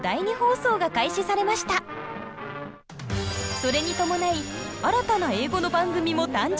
それに伴い新たな英語の番組も誕生！